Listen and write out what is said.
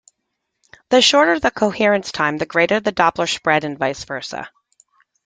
The shorter the coherence time, the greater the Doppler spread and vice versa.